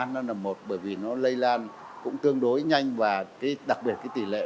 nó là một bởi vì nó lây lan cũng tương đối nhanh và đặc biệt cái tiết kiệm